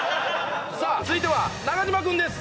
続いては中島君です。